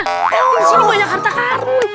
eh om disini banyak harta karun